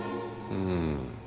うん。